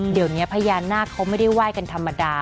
เดี๋ยวนี้พญานาคเขาไม่ได้ไหว้กันธรรมดา